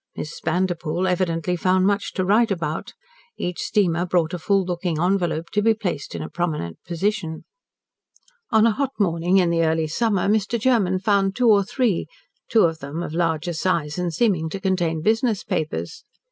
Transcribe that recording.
Miss Vanderpoel evidently found much to write about. Each steamer brought a full looking envelope to be placed in a prominent position. On a hot morning in the early summer Mr. Germen found two or three two of them of larger size and seeming to contain business papers.